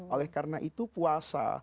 oleh karena itu puasa